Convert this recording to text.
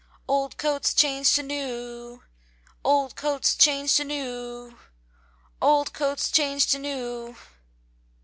Green ones changed to red! Old coat changed to new! Old coats changed to new!"